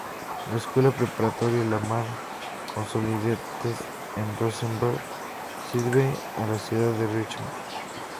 La Escuela Preparatoria Lamar Consolidated en Rosenberg sirve a la ciudad de Richmond.